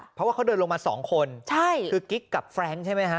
เพราะว่าเขาเดินลงมาสองคนใช่คือกิ๊กกับแฟรงค์ใช่ไหมฮะ